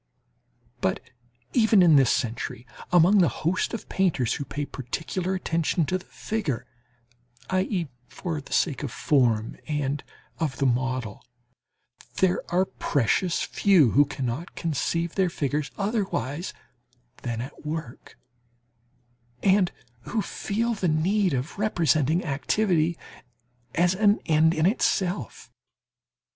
But even in this century, among the host of painters who pay particular attention to the figure, i.e., for the sake of form and of the model, there are precious few who cannot conceive their figures otherwise than at work, and who feel the need of representing activity as an end in itself.